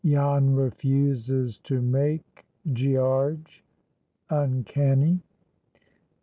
—JAN REFUSES TO "MAKE GEARGE."—UNCANNY.